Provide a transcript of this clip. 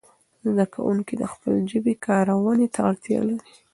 زده کوونکي د خپلې ژبې کارونې ته اړتیا لري.